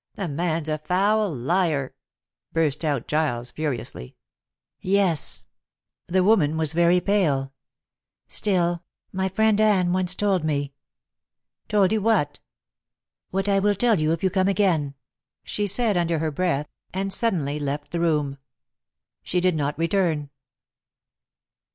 "The man's a foul liar," burst out Giles furiously. "Yes." The woman was very pale. "Still, my friend Anne once told me " "Told you what?" "What I will tell you if you come again," she said under her breath, and suddenly left the room. She did not return.